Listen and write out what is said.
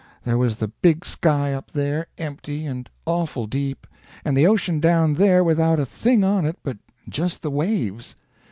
There was the big sky up there, empty and awful deep; and the ocean down there without a thing on it but just the waves.